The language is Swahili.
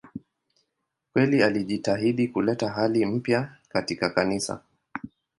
Kweli alijitahidi kuleta hali mpya katika Kanisa.